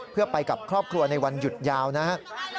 เพื่อไปกับครอบครัวในวันหยุดยาวนะครับ